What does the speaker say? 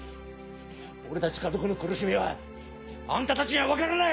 俺たち家族の苦しみはあんたたちには分からない！